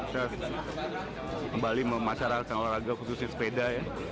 kita kembali memasarkan olahraga khususnya sepeda